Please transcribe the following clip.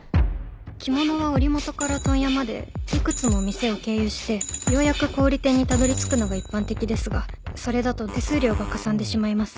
着物は織元から問屋まで幾つも店を経由してようやく小売店にたどりつくのが一般的ですがそれだと手数料がかさんでしまいます。